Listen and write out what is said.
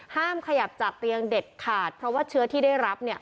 ขยับจากเตียงเด็ดขาดเพราะว่าเชื้อที่ได้รับ